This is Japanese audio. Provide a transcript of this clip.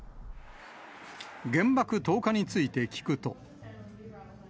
原爆投下について聞くと。